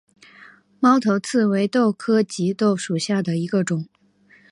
猫头刺为豆科棘豆属下的一个种。